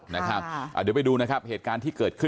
เดี๋ยวไปดูนะครับเหตุการณ์ที่เกิดขึ้น